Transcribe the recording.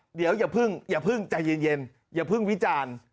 เดี๋ยวอย่าเพิ่งใจเย็นอย่าเพิ่งวิจารณ์